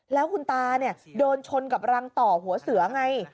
แล้วคุณตาโดนชนกับรังต่อหัวเสือไง